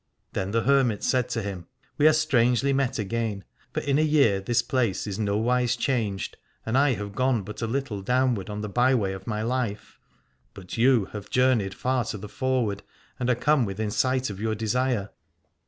Then the hermit said to him : We are strangely met again: for in a year this place is nowise changed, and I have gone but a little down ward on the byway of my life, but you have 235 A] ad ore journeyed far to the forward, and are come within sight of your desire.